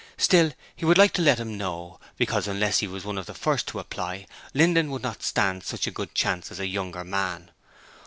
Still, he would like to let him know, because unless he was one of the first to apply, Linden would not stand such a good chance as a younger man.